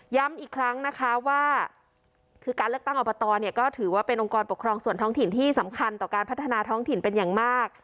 อีกครั้งนะคะว่าคือการเลือกตั้งอบตเนี่ยก็ถือว่าเป็นองค์กรปกครองส่วนท้องถิ่นที่สำคัญต่อการพัฒนาท้องถิ่นเป็นอย่างมาก